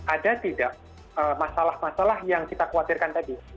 ada tidak masalah masalah yang kita khawatirkan tadi